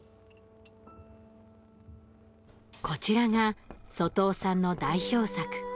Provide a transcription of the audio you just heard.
こちらが外尾さんの代表作。